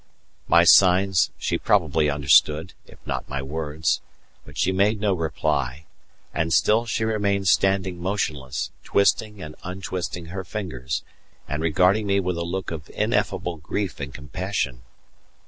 My signs she probably understood if not my words, but she made no reply; and still she remained standing motionless, twisting and untwisting her fingers, and regarding me with a look of ineffable grief and compassion.